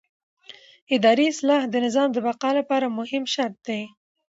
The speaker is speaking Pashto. اداري اصلاح د نظام د بقا لپاره مهم شرط دی